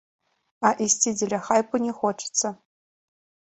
А ісці дзеля хайпу не хочацца.